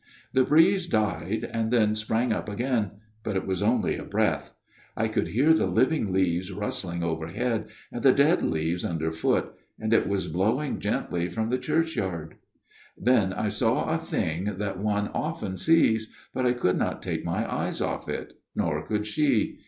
' The breeze died, and then sprang up again ; but it was only a breath. I could hear the living leaves rustling overhead, and the dead leaves underfoot ; and it was blowing gently from the churchyard. " Then I saw a thing that one often sees ; but I could not take my eyes off it, nor could she.